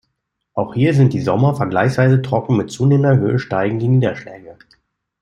Auch hier sind die Sommer vergleichsweise trocken, mit zunehmender Höhe steigen die Niederschläge.